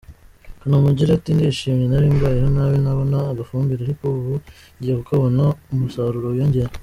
Kanamugire ati “Ndishimye, nari mbayeho nabi, ntabona agafumbire ariko ubu ngiye kukabona, umusaruro wiyongere.